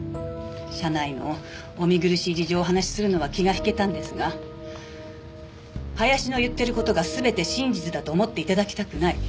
社内のお見苦しい事情をお話しするのは気が引けたんですが林の言っている事が全て真実だと思って頂きたくない。